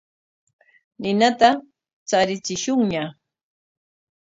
Ninata charichishunña.